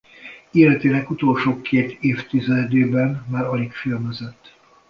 Életének utolsó két évtizedében már alig filmezett.